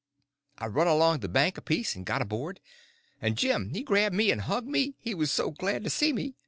I run along the bank a piece and got aboard, and Jim he grabbed me and hugged me, he was so glad to see me.